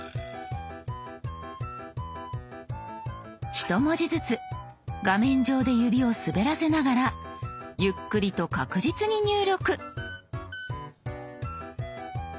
１文字ずつ画面上で指を滑らせながらゆっくりと確実に入力。